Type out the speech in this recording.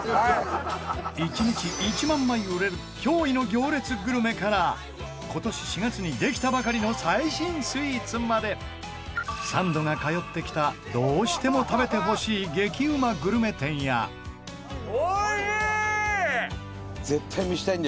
１日１万枚売れる驚異の行列グルメから今年４月にできたばかりの最新スイーツまでサンドが通ってきたどうしても食べてほしい激うまグルメ店やおいしい！